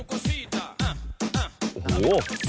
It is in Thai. โอ้โฮ